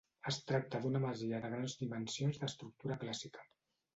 Es tracta d'una masia de grans dimensions d'estructura clàssica.